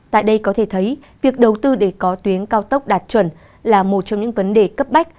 tại đây có thể thấy việc đầu tư để có tuyến cao tốc đạt chuẩn là một trong những vấn đề cấp bách